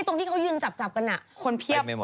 ตรงที่เขายืนจับกันคนเพียบ